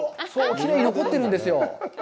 きれいに残ってるんですよ。